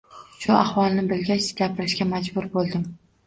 Shu ahvolni bilgach gapirishga majbur bo’ldim.